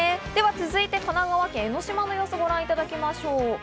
続いて神奈川県、江の島の様子を見てみましょう。